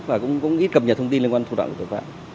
và cũng ít cập nhật thông tin liên quan đến thủ đoạn của tổng pháp